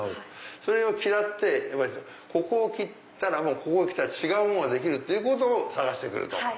それを嫌ってここを切ったら違うものができるっていうことを探して来ると。